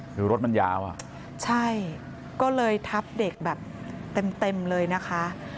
คือรถมันยาวอ่ะใช่ก็เลยทับเด็กแบบเต็มเต็มเลยนะคะ